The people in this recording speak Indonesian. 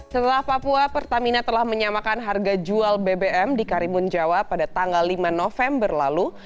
setelah papua pertamina telah menyamakan harga jual bbm di karimun jawa pada tanggal lima november lalu